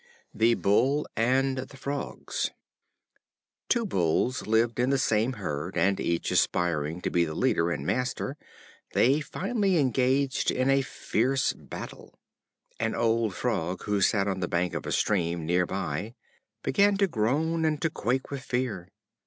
The Bulls and the Frogs. Two Bulls lived in the same herd, and each aspiring to be the leader and master, they finally engaged in a fierce battle. An old Frog, who sat on the bank of a stream near by, began to groan and to quake with fear.